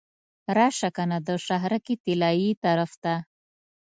راشه کنه د شهرک طلایي طرف ته.